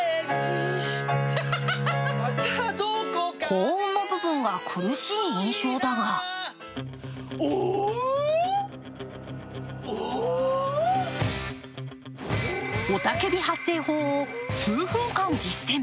高音の部分が苦しい印象だがオタケビ発声法を数分間実践。